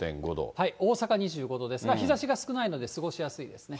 大阪２５度ですが、日ざしが少ないので過ごしやすいですね。